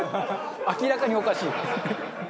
明らかにおかしい。